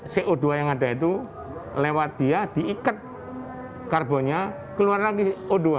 co dua yang ada itu lewat dia diikat karbonnya keluar lagi o dua